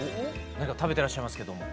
何か食べてらっしゃいますけども。